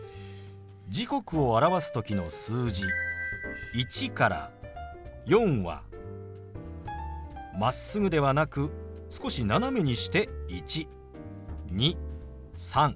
時刻を表す時の数字１から４はまっすぐではなく少し斜めにして１２３４。